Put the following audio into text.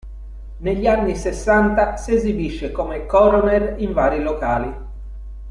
Negli anni sessanta si esibisce come crooner in vari locali.